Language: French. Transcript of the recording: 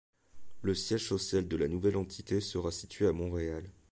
Le siège social de la nouvelle entité sera située à Montréal.